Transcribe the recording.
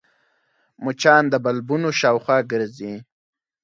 مچان د بلبونو شاوخوا ګرځي